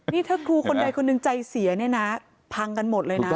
นี่ถ้าครูคนใดคนหนึ่งใจเสียเนี่ยนะพังกันหมดเลยนะ